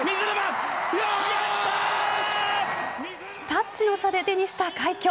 タッチの差で手にした快挙。